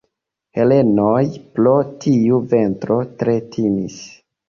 Helenoj pro tiu vento tre timis.